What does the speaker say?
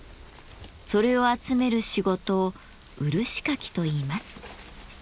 それを集める仕事を漆かきといいます。